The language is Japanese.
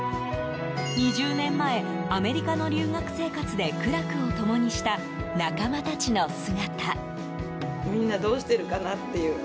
２０年前、アメリカの留学生活で苦楽を共にした仲間たちの姿。